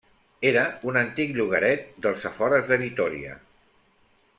Era un antic llogaret dels afores de Vitòria.